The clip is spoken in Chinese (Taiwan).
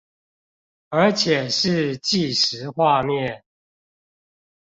而且是計時畫面？